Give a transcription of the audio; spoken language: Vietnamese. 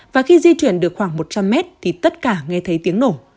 và khi di chuyển được khoảng một trăm linh mét thì tất cả nghe thấy tiếng nổ